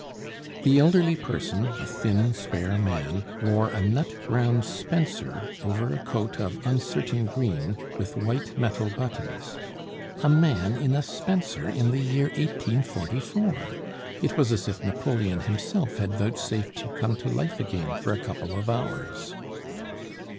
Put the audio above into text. The elderly person, a thin, spare man, wore a nut brown spencer over a coat of uncertain green, with white metal buttons. A man in a spencer in the year 1844! it was as if Napoleon himself had vouchsafed to come to life again for a couple of hours.